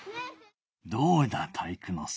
どうだ体育ノ介。